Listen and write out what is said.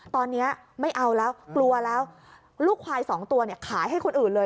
ตอนนี้ไม่เอาแล้วกลัวแล้วลูกควายสองตัวเนี่ยขายให้คนอื่นเลย